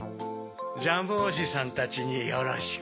ジャムおじさんたちによろしく。